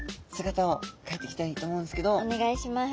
お願いします。